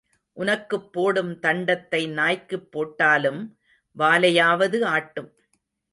உனக்குப் போடும் தண்டத்தை நாய்க்குப் போட்டாலும் வாலையாவது ஆட்டும்.